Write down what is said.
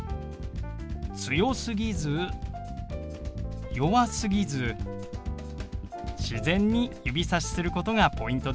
強すぎず弱すぎず自然に指さしすることがポイントでしたね。